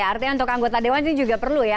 artinya untuk anggota dewan sih juga perlu ya